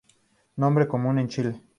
Nombre común en Chile.